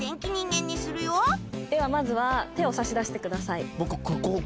ではまずは手を差し出してください。